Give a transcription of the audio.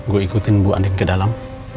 gue ikutin bu andi ke dalam